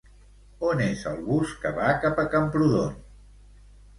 On és el bus que va cap a Camprodon?